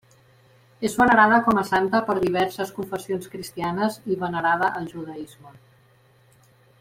És venerada com a santa per diverses confessions cristianes i venerada al judaisme.